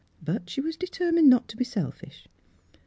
But she was determined not to be selfish.